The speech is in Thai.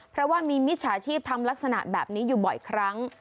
เพราะว่ามีมิจฉาชีพทำลักษณะแบบนี้อยู่บ่อยครั้ง